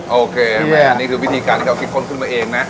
นี่คือวิธีการที่เขาเอาที่คนขึ้นมาเองนะ